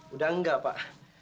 udah enggak pak